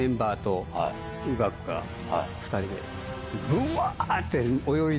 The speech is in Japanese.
ぶわって。